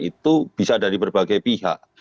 itu bisa dari berbagai pihak